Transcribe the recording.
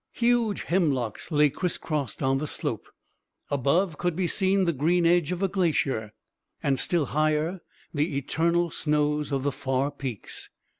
Huge hemlocks lay criss crossed on the slope. Above could be seen the green edge of a glacier, and still higher the eternal snows of the far peaks.